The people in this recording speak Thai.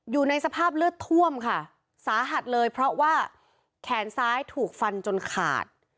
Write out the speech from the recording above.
อยู่ในสภาพเลือดท่วมค่ะสาหัสเลยเพราะว่าแขนซ้ายถูกฟันจนขาด